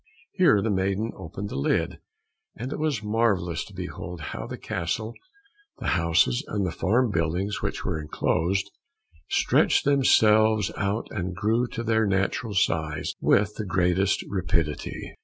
Here the maiden opened the lid, and it was marvellous to behold how the castle, the houses, and the farm buildings which were enclosed, stretched themselves out and grew to their natural size with the greatest rapidity.